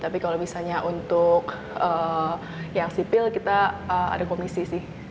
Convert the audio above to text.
tapi kalau misalnya untuk yang sipil kita ada komisi sih